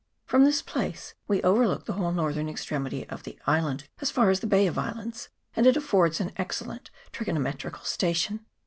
From this place we over look the whole northern extremity of the island as far as the Bay of Islands, and it will afford an excellent trigonometrical station.